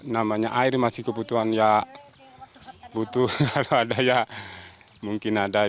namanya air masih kebutuhan ya butuh kalau ada ya mungkin ada